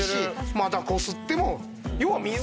またこすっても。